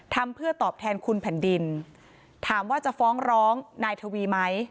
ทำเพื่อตอบแทนคุณแผ่นดินถามว่าจะฟ้องร้องนายทวีไหม